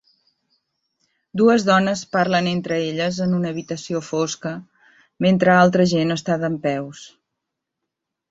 Dues dones parlen entre elles en una habitació foca mentre altra gent està dempeus.